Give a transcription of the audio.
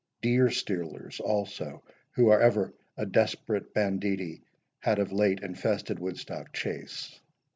Deer stealers also, who are ever a desperate banditti, had of late infested Woodstock Chase.